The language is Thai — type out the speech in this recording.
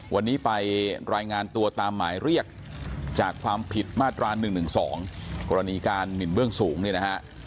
วันนี้ไปรายงานตัวตามหมายเรียกจากความผิดมาตรา๑๑๒กรณีการหมินเบื้องสูงเนี่ยนะฮะ